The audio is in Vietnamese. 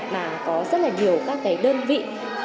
mà có rất là nhiều các cái đơn vị